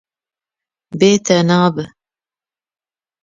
Bê te ne be